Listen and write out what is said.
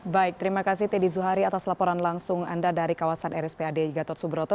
baik terima kasih teddy zuhari atas laporan langsung anda dari kawasan rspad gatot subroto